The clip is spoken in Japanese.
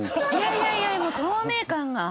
いやいやもう透明感が。